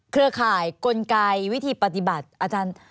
เครือข่ายกลไกวิธีปฏิบัติอาจารย์